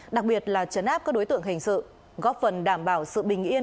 đặc biệt là chấn áp các đối tượng hình sự góp phần đảm bảo sự bình yên